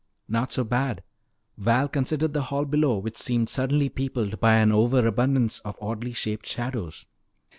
"Not so bad." Val considered the hall below, which seemed suddenly peopled by an overabundance of oddly shaped shadows.